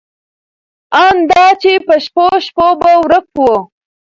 ان دا چې په شپو شپو به ورک و.